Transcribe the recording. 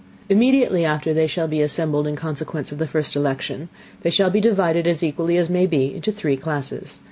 Immediately after they shall be assembled in Consequence of the first Election, they shall be divided as equally as may be into three Classes.